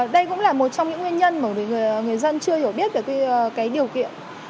đây cũng là một trong những nguyên nhân mà người dân chưa hiểu biết về điều kiện